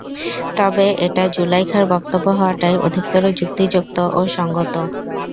তবে এটা যুলায়খার বক্তব্য হওয়াটাই অধিকতর যুক্তিযুক্ত ও সঙ্গত।